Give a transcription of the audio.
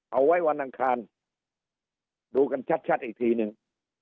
เอาไว้วันอังคารดูกันชัดอีกทีหนึ่ง